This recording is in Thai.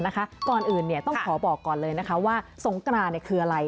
ก่อนอื่นต้องขอบอกก่อนเลยนะคะว่าสงกรานคืออะไร